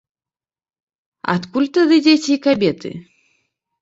А адкуль тады дзеці і кабеты?